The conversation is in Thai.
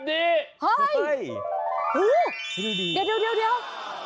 เดี๋ยดเดี๋ยว